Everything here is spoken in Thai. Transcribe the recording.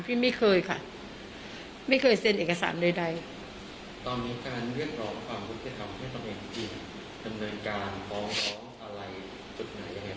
จำหน่อยการฟ้องรองอะไรช่วงไหน